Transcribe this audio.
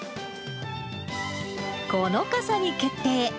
この傘に決定。